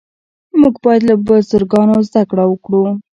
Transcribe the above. موږ باید له بزرګانو زده کړه وکړو.